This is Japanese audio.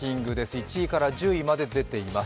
１位から１０位まで出ています。